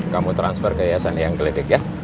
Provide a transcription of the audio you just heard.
kamu transfer ke hiasan yang geledek ya